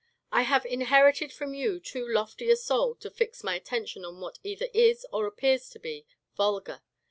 I have inherited from you too lofty a soul to fix my attention on what either is or appears to be vulgar.